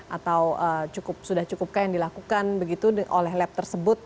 atau sudah cukupkah yang dilakukan begitu oleh lab tersebut